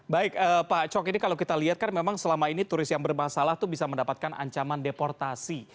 baik pak cok ini kalau kita lihat kan memang selama ini turis yang bermasalah itu bisa mendapatkan ancaman deportasi